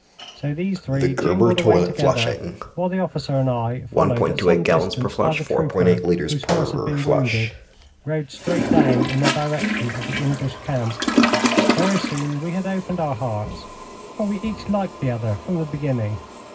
So these three jingled away together, while the officer and I, followed at some distance by the trooper whose horse had been wounded, rode straight down in the direction of the English camp. Very soon we had opened our hearts, for we each liked the other from the beginning.